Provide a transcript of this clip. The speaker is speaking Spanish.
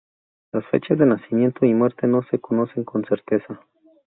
Las fechas de nacimiento y muerte no se conocen con certeza.